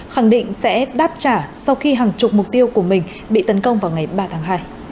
khẳng định sẽ đáp trả sau khi hàng chục mục tiêu của mình bị tấn công vào ngày ba tháng hai